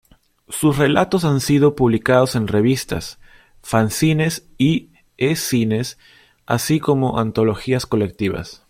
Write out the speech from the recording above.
Sus relatos han sido publicados en revistas, fanzines y e-zines, así como antologías colectivas.